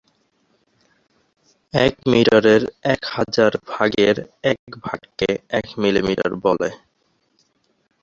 এক মিটারের এক হাজার ভাগের এক ভাগকে এক মিলিমিটার বলে।